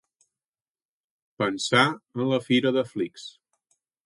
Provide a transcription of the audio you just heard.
Pensar en la fira de Flix.